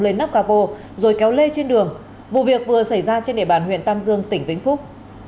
lên nắp capo rồi kéo lê trên đường vụ việc vừa xảy ra trên địa bàn huyện tam dương tỉnh vĩnh phúc